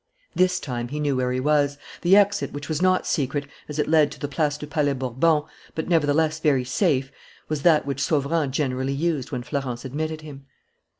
This time, he knew where he was. The exit, which was not secret, as it led to the Place du Palais Bourbon, but nevertheless very safe, was that which Sauverand generally used when Florence admitted him.